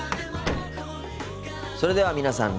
それでは皆さん